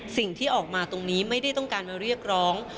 สิ่งที่ออกมาตรงนี้ไม่ได้ต้องการมาเรียกร้อง